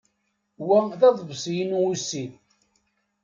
Wa d aḍebsi-inu ussid.